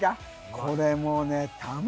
これもう。